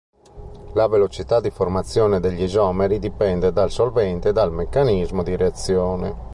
La velocità di formazione degli isomeri dipende dal solvente e dal meccanismo di reazione.